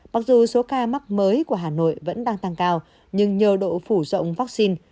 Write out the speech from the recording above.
mặc dù số ca mắc mới của hà nội vẫn đang tăng cao nhưng nhờ độ phủ rộng vaccine